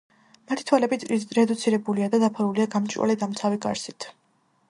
მათი თვალები რედუცირებულია და დაფარულია გამჭვირვალე, დამცავი გარსით.